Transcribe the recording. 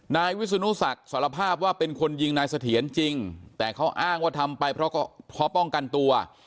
นายวิศนุศักดิ์สารภาพว่าเป็นคนยิงนายเสถียรจริงแต่เขาอ้างว่าทำไปเพราะป้องกันตัว